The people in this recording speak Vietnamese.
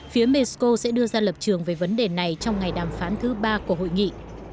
phía mexico sẽ đưa ra lập trường về vấn đề này trong ngày đàm phán thứ ba của hội nghị